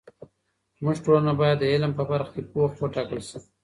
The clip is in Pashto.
زموږ ټولنه باید د علم په برخه کې پوخ وټاکل سي.